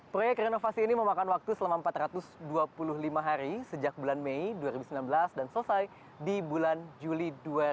proyek renovasi ini memakan waktu selama empat ratus dua puluh lima hari sejak bulan mei dua ribu sembilan belas dan selesai di bulan juli dua ribu dua puluh